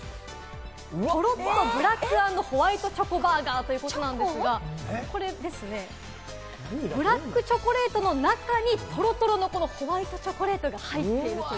トロッとブラック＆ホワイトチョコバーガー！ということなんですが、ブラックチョコレートの中にトロトロのホワイトチョコレートが入っている。